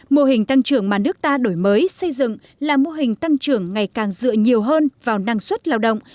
mô hình tăng trưởng mà nước ta đổi mới xây dựng là mô hình tăng trưởng ngày càng dựa nhiều hơn vào năng suất lao động